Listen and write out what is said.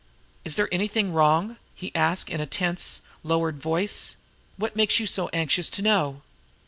"Is there anything wrong?" he asked in a tense, lowered voice. "What makes you so anxious to know?"